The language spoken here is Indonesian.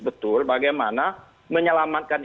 betul bagaimana menyelamatkan